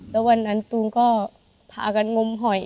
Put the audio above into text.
แล้ววันนั้นตูมก็พากันงมหอย